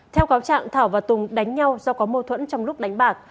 theo cáo trạng thảo và tùng đánh nhau do có mâu thuẫn trong lúc đánh bạc